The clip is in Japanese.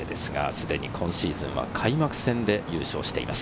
すでに今シーズンは開幕戦で優勝しています。